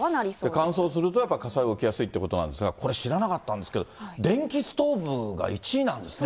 乾燥するとやっぱり火災が起きやすいということなんですが、これ、知らなかったんですけど、電気ストーブが１位なんですね。